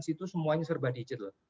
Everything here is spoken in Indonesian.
situ semuanya serba digital